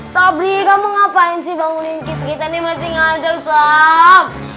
sabri kamu ngapain bangunin kita nih masih gak ada sob